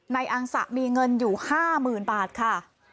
ในอังษะมีเงินอยู่ห้าหมื่นบาทค่ะ